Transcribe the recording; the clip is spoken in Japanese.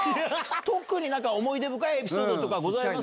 特に思い出深いエピソードとかございます？